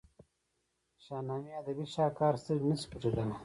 د شاهنامې ادبي شهکار سترګې نه شي پټېدلای.